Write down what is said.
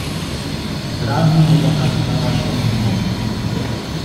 Zrazu nie pokazywała się nikomu.